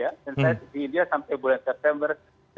dan saya tinggal di india sampai bulan september dua ribu dua puluh